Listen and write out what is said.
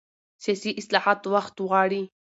سیاسي اصلاحات وخت غواړي